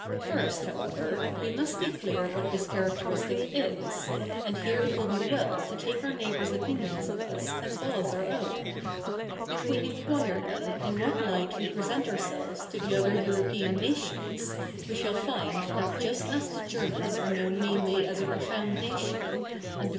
First, however, 1 we ?nust be clear what this characteristic is : and here it will be well to take our neighbours' opinions of us as well as our 0W7t. If we inquire then in what light we present ourselves to the other European nations, zve shall find that i jitst as the Germans are known 7nainly as a profound 7iatio7i a7id the F?'